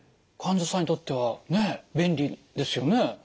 患者さんにとってはね便利ですよね。